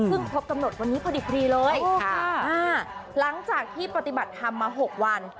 ซึ่งพบกำหนดวันนี้พอดีฟรีเลยหลังจากที่ปฏิบัติทำมา๖วัน